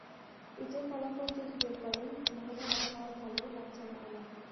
ইটের ফলাফল জলদি বের করেন, মহলের আবহাওয়া ভালো, লাগছে না আমার।